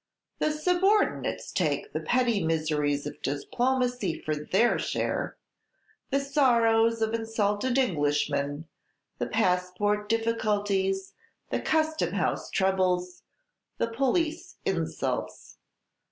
The subordinates take the petty miseries of diplomacy for their share, the sorrows of insulted Englishmen, the passport difficulties, the custom house troubles, the police insults.